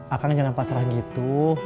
akang jangan pasrah gitu